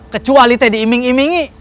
kecuali tadi iming imingi